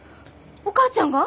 お母ちゃんが？